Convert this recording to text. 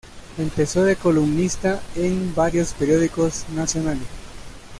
Empezó de columnista en varios periódicos nacionales.